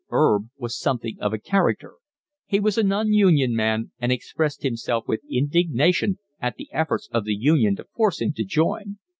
'Erb was something of a character; he was a non union man and expressed himself with indignation at the efforts of the union to force him to join.